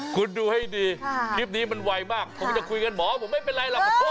คุณดูให้ดีคลิปนี้มันไวมากคงจะคุยกันหมอผมไม่เป็นไรหรอก